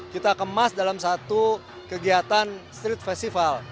kita kemas dalam satu kegiatan street festival